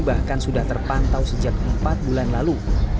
bahkan sudah terpantau sejak empat bulan lalu